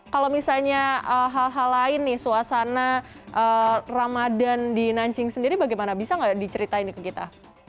kalau misalnya hal hal lain nih suasana ramadan di nanjing sendiri bagaimana bisa nggak diceritain ke kita